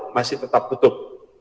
masih tetap tutup